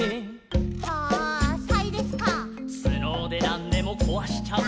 「つのでなんでもこわしちゃう」